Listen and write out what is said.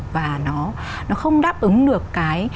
và nó không đáp ứng được cái